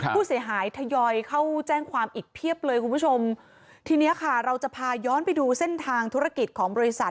ผู้เสียหายทยอยเข้าแจ้งความอีกเพียบเลยคุณผู้ชมทีเนี้ยค่ะเราจะพาย้อนไปดูเส้นทางธุรกิจของบริษัท